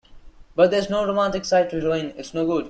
But there's no romantic side to heroin - it's no good.